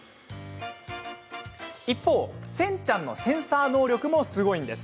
一方、センちゃんのセンサー能力もすごいんです。